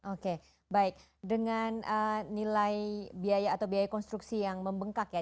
oke baik dengan nilai biaya atau biaya konstruksi yang membengkak ya